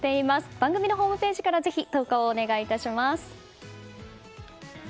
番組のホームページからぜひ投稿お願いします。